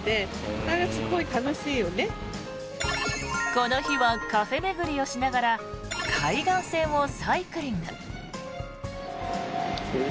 この日はカフェ巡りをしながら海岸線をサイクリング。